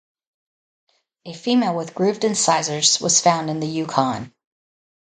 A female with grooved incisors was found in the Yukon.